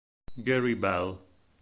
Gary Bell